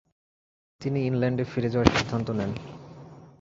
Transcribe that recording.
তিনি ইংল্যান্ডে ফিরে যাওয়ার সিদ্ধান্ত নেন।